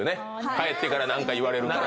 帰ってから何か言われるから。